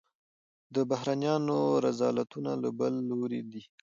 د بهرنیانو رذالتونه له بل لوري دي.